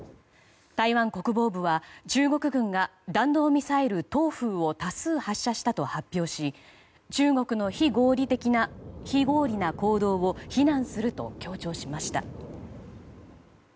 台湾国防部は中国軍が弾道ミサイル「東風」を多数発射したと発表し中国の非合理的な行動を非難すると強調しました。